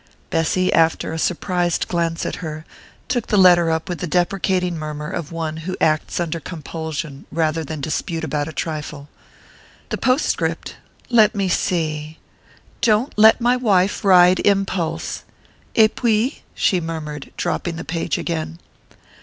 Bessy, after a surprised glance at her, took the letter up with the deprecating murmur of one who acts under compulsion rather than dispute about a trifle. "The postscript? Let me see...'Don't let my wife ride Impulse.' Et puis?" she murmured, dropping the page again.